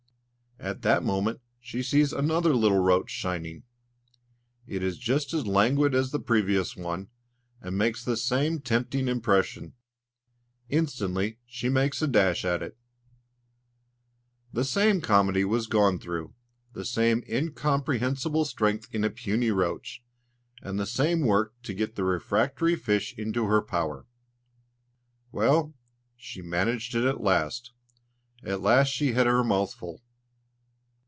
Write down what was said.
At that moment she sees another little roach shining. It is just as languid as the previous one, and makes the same tempting impression. Instantly she makes a dash at it. The same comedy was gone through, the same incomprehensible strength in a puny roach, and the same work to get the refractory fish into her power. Well, she managed it at last; at last she had her mouthful.